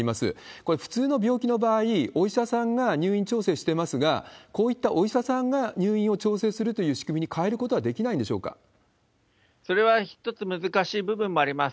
これ、普通の病気の場合、お医者さんが入院調整してますが、こういったお医者さんが入院を調整するという仕組みに変えることそれは一つ、難しい部分もあります。